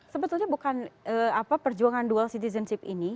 sebetulnya bukan perjuangan duel citizenship ini